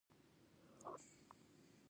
ګل جانې تر نهو بجو کومه دنده نه لرله.